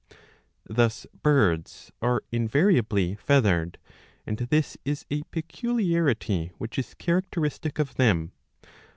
Thus birds are invariably feathered, and this is a peculiarity which is characteristic of them.